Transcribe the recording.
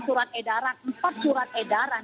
surat edaran empat surat edaran